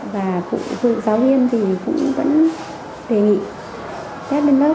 và phụ giáo viên thì cũng vẫn đề nghị test lên lớp